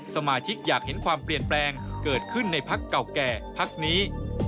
สมาชิกอยากเห็นความเปลี่ยนแปลงเกิดขึ้นในพักเก่าแก่พักนี้